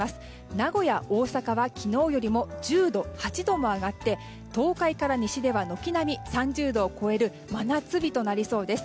名古屋、大阪は昨日よりも１０度、８度も上がって東海から西では軒並み３０度を超える真夏日となりそうです。